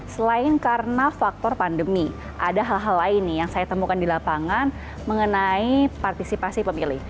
selain karena faktor pandemi ada hal hal lain yang saya temukan di lapangan mengenai partisipasi pemilih